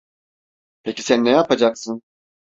Peki sen ne yapacaksın?